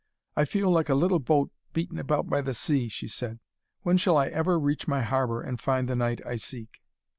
'I feel like a little boat beaten about by the sea,' she said. 'When shall I ever reach my harbour, and find the knight I seek?'